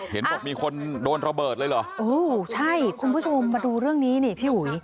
เห็นบอกมีคนโดนระเบิดเลยเหรอโอ้ใช่คุณผู้ชมมาดูเรื่องนี้นี่พี่อุ๋ย